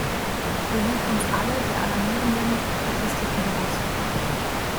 Wir sind uns alle der alarmierenden Statistiken bewusst.